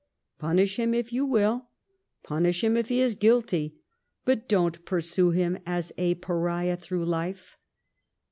Punish him, if you will — ^punish him tf he is guilty, but don't pursue him as a Pariah through life.